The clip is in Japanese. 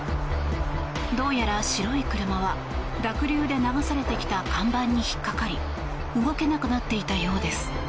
どうやら白い車は濁流で流されてきた看板に引っ掛かり動けなくなっていたようです。